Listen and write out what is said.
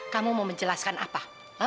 kamu mau menjelaskan apa